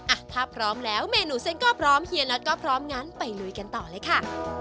อ่ะถ้าพร้อมแล้วเมนูเส้นก็พร้อมเฮียน็อตก็พร้อมงั้นไปลุยกันต่อเลยค่ะ